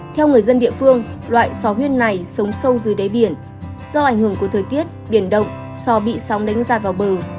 theo người dân địa phương loại sò huyết này sống sâu dưới đáy biển do ảnh hưởng của thời tiết biển động sò bị sóng đánh giạt vào bờ